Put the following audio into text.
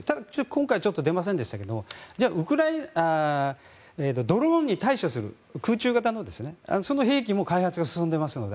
今回出ませんでしたけど空中型のドローンに対処するその兵器も開発が進んでいますので。